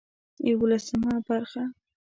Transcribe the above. يولسمه برخه